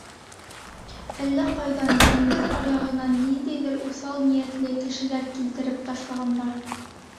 Әллә ҡайҙан, диңгеҙ аръягынан ниндәйҙер уҫал ниәтле кешеләр килтереп ташлағандар.